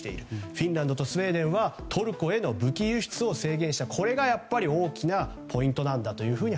フィンランドとスウェーデンはトルコへの武器輸出を制限したというのが大きなポイントだと。